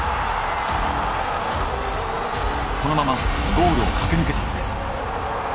そのままゴールを駆け抜けたのです。